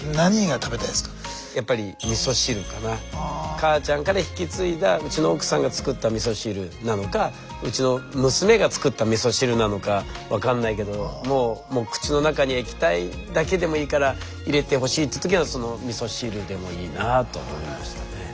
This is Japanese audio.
母ちゃんから引き継いだうちの奥さんが作ったみそ汁なのかうちの娘が作ったみそ汁なのか分かんないけども口の中に液体だけでもいいから入れてほしいっていう時はそのみそ汁でもいいなと思いましたね。